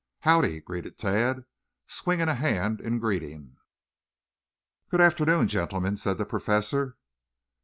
"Howdy!" greeted Tad, swinging a hand in greeting. "Good afternoon, gentlemen," said the Professor.